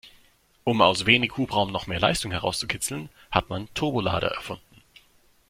Um aus wenig Hubraum noch mehr Leistung herauszukitzeln, hat man Turbolader erfunden.